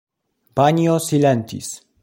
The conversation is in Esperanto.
Banjo silentis.